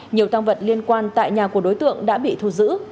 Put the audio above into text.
nhiều tăng vật liên quan tại nhà của đối tượng đã bị thu giữ